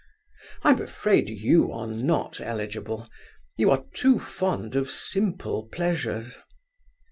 I am afraid you are not eligible. You are too fond of simple pleasures.